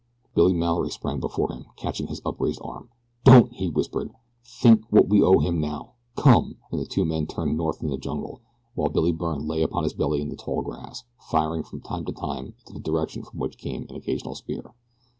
Billy Mallory sprang before him, catching his upraised arm. "Don't!" he whispered. "Think what we owe him now. Come!" and the two men turned north into the jungle while Billy Byrne lay upon his belly in the tall grass firing from time to time into the direction from which came an occasional spear.